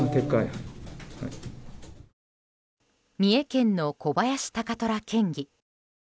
三重県の小林貴虎県議。